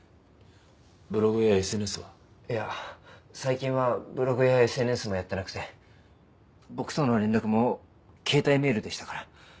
ブログやＳＮＳは？いや最近はブログやＳＮＳもやってなくて僕との連絡も携帯メールでしたから。